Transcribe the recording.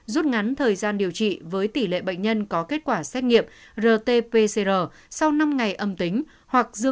rút ngắn thời gian điều trị với tỷ lệ bệnh nhân có kết quả xét nghiệm rt pcr sau năm ngày âm tính hoặc dựa